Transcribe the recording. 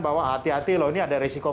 bahwa hati hati loh ini ada risiko